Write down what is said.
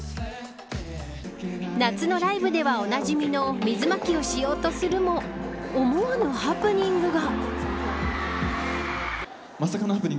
夏のライブではおなじみの水まきをしようとするも思わぬハプニングが。